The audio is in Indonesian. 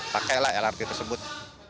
pakailah lrt tersebut